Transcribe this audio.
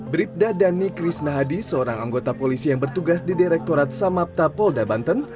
bribda dhani krisnahadi seorang anggota polisi yang bertugas di direktorat samapta polda banten